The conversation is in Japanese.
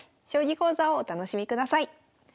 将棋講座をお楽しみください。